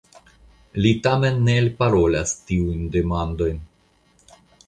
Li tamen ne elparolas tiujn demandojn.